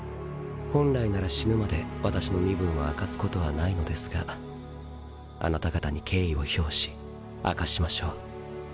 本来なら死ぬまで私の身分は明かすことはないのですがあなた方に敬意を表し明かしましょう。